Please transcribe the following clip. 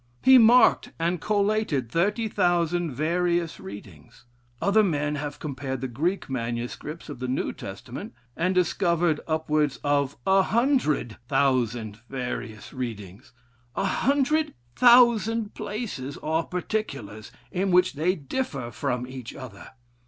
He marked and collated thirty thousand various readings. Other men have compared the Greek manuscripts of the New Testament, and discovered upwards of a hundred thousand various readings a hundred thousand places or particulars in which they differ from each other.